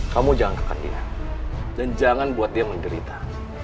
kamu jangan kekan dia dan jangan buat dia menderita